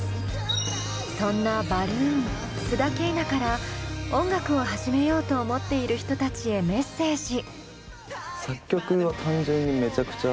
そんなバルーン須田景凪から音楽を始めようと思っている人たちへメッセージ。